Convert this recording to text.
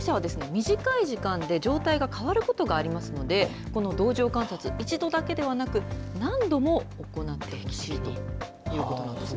短い時間で状態が変わることがありますので同乗観察、１度だけではなく何度も行ってほしいということなんですね。